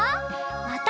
また。